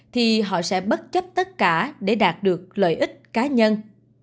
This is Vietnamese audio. thì họ sẽ bất chấp tất cả để đạt được lợi ích cá nhân